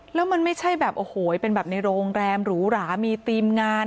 แล้วมันไม่ใช่แบบโอ้โหเป็นแบบในโรงแรมหรูหรามีทีมงาน